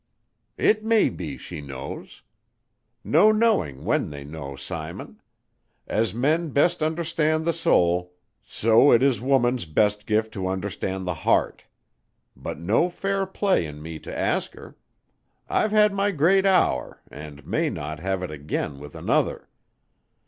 "It may be she knows. No knowing when they know, Simon. As men best understand the soul, so it is woman's best gift to understand the heart. But no fair play in me to ask her. I've had my great hour, and may not have it again with another.